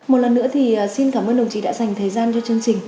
một lần nữa thì xin cảm ơn đồng chí đã dành thời gian cho chương trình